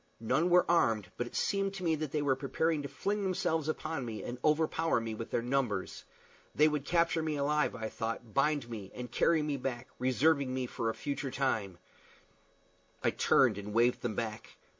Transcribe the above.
None were armed; but it seemed to me that they were preparing to fling themselves upon me and overpower me with their numbers. They would capture me alive, I thought, bind me, and carry me back, reserving me for a future time! I turned and waved them back.